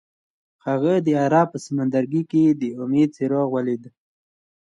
هغه د غروب په سمندر کې د امید څراغ ولید.